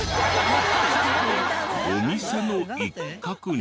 お店の一角に。